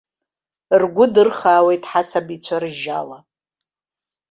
Ргәы дырхаауеит ҳасабицәа ржьала!